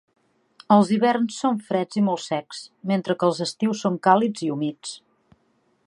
Els hiverns són freds i molt secs, mentre que els estius són càlids i humits.